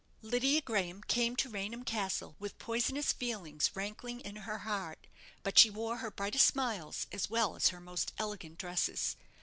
Lydia Graham came to Raynham Castle with poisonous feelings rankling in her heart, but she wore her brightest smiles as well as her most elegant dresses.